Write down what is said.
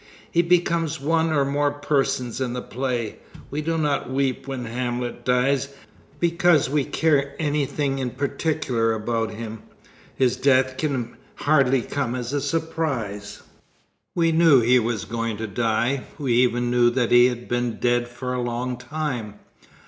He becomes one or more persons in the play. We do not weep when Hamlet dies because we care anything in particular about him. His death can hardly come as a surprise. We knew he was going to die. We even knew that he had been dead for a long time.